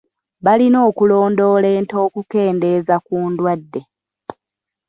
Balina okulondoola ente okukendeeza ku ndwadde.